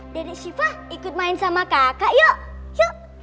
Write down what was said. dede siva ikut main sama kakak yuk yuk